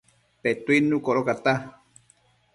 Petuidnu codocata